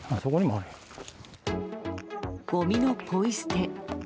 ごみのポイ捨て。